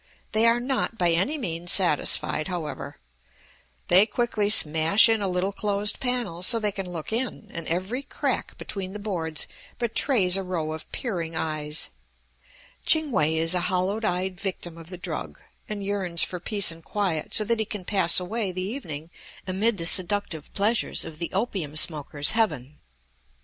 They are not, by any means satisfied, however; they quickly smash in a little closed panel so they can look in, and every crack between the boards betrays a row of peering eyes. Ching We is a hollow eyed victim of the drug, and yearns for peace and quiet so that he can pass away the evening amid the seductive pleasures of the opium smoker's heaven.